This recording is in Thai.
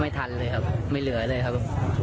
ไม่ทันเลยครับไม่เหลือเลยครับ